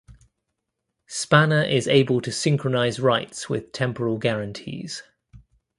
Spanner is able to synchronize writes with temporal guarantees.